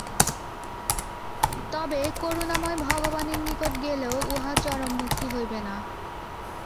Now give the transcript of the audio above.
তবে করুণাময় ভগবানের নিকট গেলেও উহা চরম মুক্তি হইবে না।